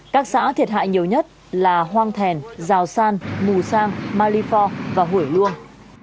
các xã thiệt hại nhiều nhất là hoang thèn giào san mù sang malifor và hủy luông